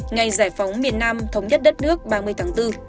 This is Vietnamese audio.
ngày giải phóng miền nam thống nhất đất nước ba mươi tháng bốn